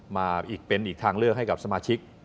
มาเป็นอีกทางเลือกให้กับสมาชิก